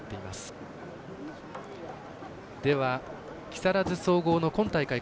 木更津総合の今大会